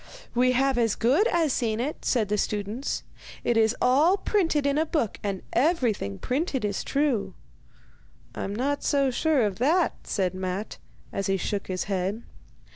'We have as good as seen it,' said the students. 'It is all printed in a book, and everything printed is true.' 'I'm not so sure of that,' said Matte, as he shook his head.